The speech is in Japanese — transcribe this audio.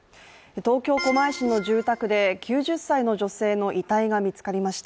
東京・狛江市の住宅で９０歳の女性の遺体が見つかりました。